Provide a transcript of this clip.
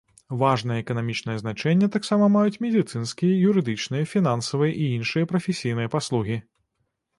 Важнае эканамічнае значэнне таксама маюць медыцынскія, юрыдычныя, фінансавыя і іншыя прафесійныя паслугі.